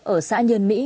ở xã nhân mỹ